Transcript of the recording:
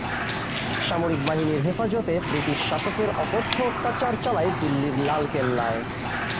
সামরিক বাহিনীর হেফাজতে বৃটিশ শাসকের অকথ্য অত্যাচার চালায় দিল্লির লালকেল্লায়।